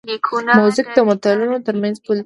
موزیک د ملتونو ترمنځ پل دی.